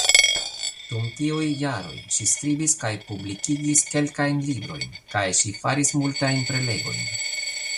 Dum tiuj jaroj ŝi skribis kaj publikigis kelkajn librojn, kaj ŝi faris multajn prelegojn.